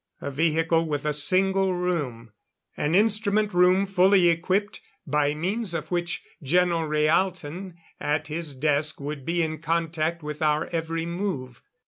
A vehicle with a single room an instrument room fully equipped by means of which Geno Rhaalton at his desk would be in contact with our every move.